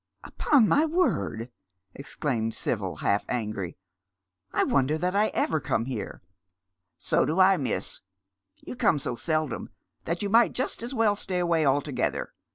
" Upon my word," exclaimed Sibyl, half angry, " I wonder that I ever come here." " So do I, miss. You come so seldom that you might just as well stay away altogether.